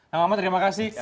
yang lama lama terima kasih